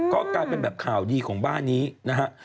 ก็กลายเป็นแบบข่าวดีของบ้านนี้นะฮะ